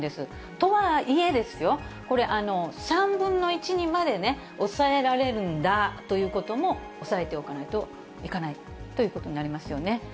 とはいえですよ、これ、３分の１にまで抑えられるんだということも押さえておかないといけないということになりますよね。